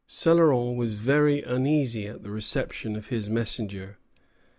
Céloron was very uneasy at the reception of his messenger.